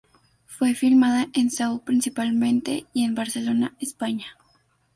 Fue filmada en Seúl principalmente y en Barcelona, España.